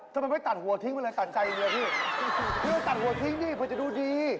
ทำไมไม่ตัดหัวทิ้งไปเลยตัดใจ